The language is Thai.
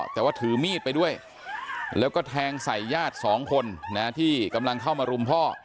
แต่ว่าถือมีดไปด้วยแล้วก็แทงใส่ญาติสองคนนะที่กำลังเข้ามารุมพ่อ